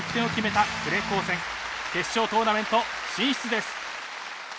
決勝トーナメント進出です。